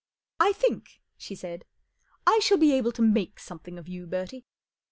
" I think/* she said, " I shall be able to make something of you, Bertie.